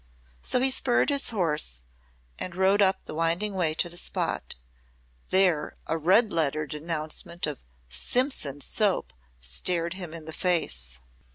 So he spurred his horse and rode up the winding way to the spot. There a red lettered announcement of "Simpson's Soap" stared him in the face.